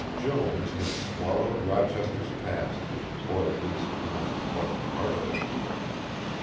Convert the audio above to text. Jones had swallowed Rochester's past, or at least a most important part of it.